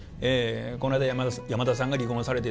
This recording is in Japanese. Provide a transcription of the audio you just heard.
「こないだ山田さんが離婚されて」。